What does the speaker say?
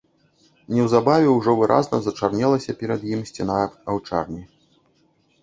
Неўзабаве ўжо выразна зачарнелася перад ім сцяна аўчарні.